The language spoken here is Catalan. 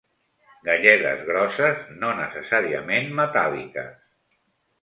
Galledes grosses, no necessàriament metàl·liques.